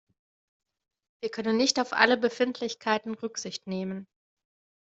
Wir können nicht auf alle Befindlichkeiten Rücksicht nehmen.